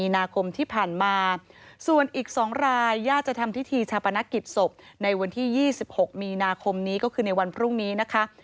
ในวันที่๒๖มีนาคมนี้ก็คือในวันพรุ่งนี้นะคะ